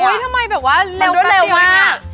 โอ้ยทำไมแบบว่าเร็วมาก